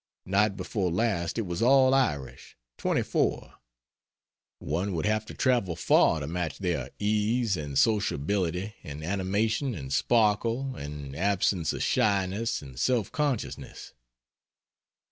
Night before last it was all Irish 24. One would have to travel far to match their ease and sociability and animation and sparkle and absence of shyness and self consciousness.